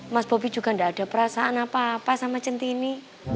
mas bobi juga tidak ada perasaan apa apa sama centini